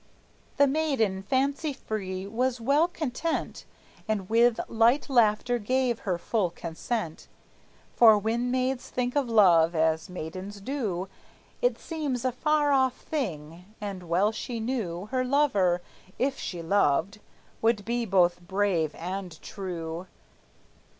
The maiden, fancy free, was well content, And with light laughter gave her full consent; For when maids think of love (as maidens do) It seems a far off thing; and well she knew Her lover, if she loved, would be both brave and true!